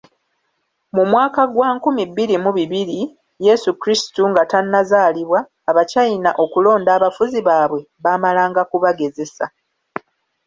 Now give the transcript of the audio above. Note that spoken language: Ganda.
Mu mwaka gwa nkumi bbiri mu bibiri, Yezu Kristu nga tannazaalibwa, Abacayina okulonda abafuzi baabwe, baamalanga kubagezesa.